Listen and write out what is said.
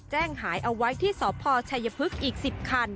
แจ้งหายเอาไว้ที่สพชัยพฤกษ์อีก๑๐คัน